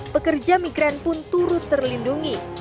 pekerja migran pun turut terlindungi